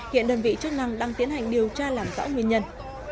hiện đơn vị chức năng đang tiến hành điều tra làm rõ nguyên nhân